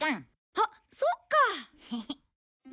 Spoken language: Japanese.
あっそっか！